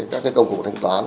các công cụ thanh toán